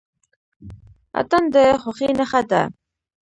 اتن د خوښۍ نښه ده.